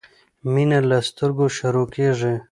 مينه له سترګو شروع کیږی